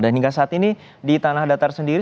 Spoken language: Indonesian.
dan hingga saat ini di tanah datar sendiri